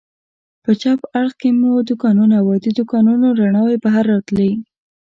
په چپ اړخ کې مو دوکانونه و، د دوکانونو رڼاوې بهر راتلې.